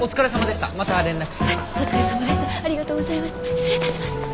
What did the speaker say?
失礼いたします。